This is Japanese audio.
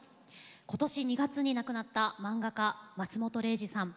今年２月に亡くなった漫画家、松本零士さん。